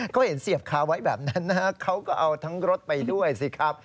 ก็เห็นเสียบคาไว้แบบนั้นนะฮะเขาก็เอาทั้งรถไปด้วยสิครับ